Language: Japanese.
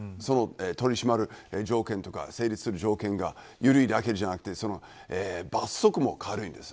取り締まる条件とか成立する条件が緩いだけじゃなくて罰則も軽いんです。